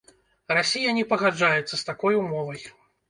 Расія не пагаджаецца з такой умовай.